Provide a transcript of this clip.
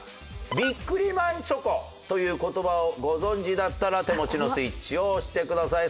ビックリマンチョコという言葉をご存じだったら手持ちのスイッチを押してください。